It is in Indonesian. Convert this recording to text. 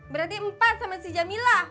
berarti empat sama si jamila